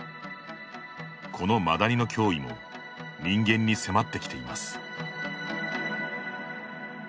このマダニの脅威も人間に迫ってきています。